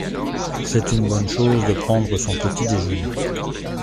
C’est une bonne chose de prendre son petit-déjeuner.